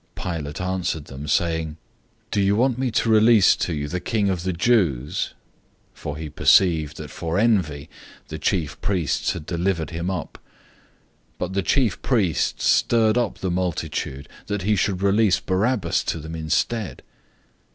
015:009 Pilate answered them, saying, "Do you want me to release to you the King of the Jews?" 015:010 For he perceived that for envy the chief priests had delivered him up. 015:011 But the chief priests stirred up the multitude, that he should release Barabbas to them instead.